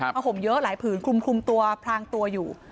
ห่มเยอะหลายผืนคลุมตัวพรางตัวอยู่